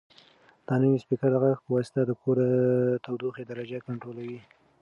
دا نوی سپیکر د غږ په واسطه د کور د تودوخې درجه کنټرولوي.